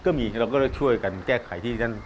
ก็มีเราก็ช่วยกันแก้ไขที่นั่น